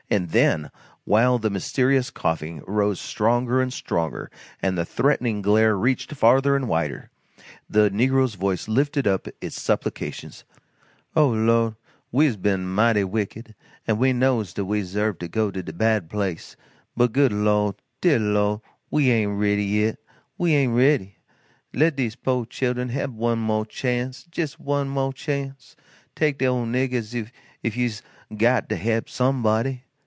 And then while the mysterious coughing rose stronger and stronger and the threatening glare reached farther and wider, the negro's voice lifted up its supplications: "O Lord', we's ben mighty wicked, an' we knows dat we 'zerve to go to de bad place, but good Lord, deah Lord, we ain't ready yit, we ain't ready let dese po' chilen hab one mo' chance, jes' one mo' chance. Take de ole niggah if you's got to hab somebody.